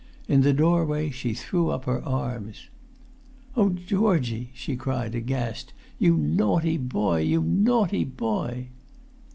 In the doorway she threw up her arms. "Oh, Georgie!" she cried aghast. "You naughty boy—you naughty boy!"